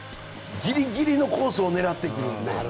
ギリギリのコースを狙ってくるので。